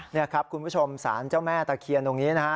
นี่ครับคุณผู้ชมศาลเจ้าแม่ตะเคียนตรงนี้นะฮะ